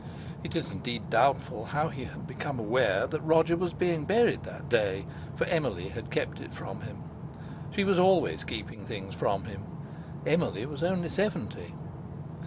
It is, indeed, doubtful how he had become aware that Roger was being buried that day, for Emily had kept it from him. She was always keeping things from him. Emily was only seventy!